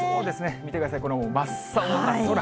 見てください、この真っ青な空。